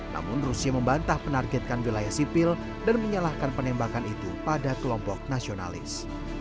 namun rusia membantah penargetkan wilayah sipil dan menyalahkan penembakan itu pada kelompok nasionalis